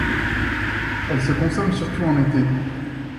Elle se consomme surtout en été.